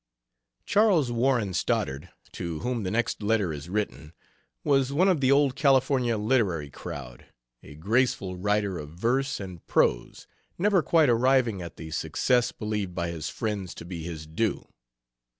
Charles Warren Stoddard, to whom the next letter is written, was one of the old California literary crowd, a graceful writer of verse and prose, never quite arriving at the success believed by his friends to be his due.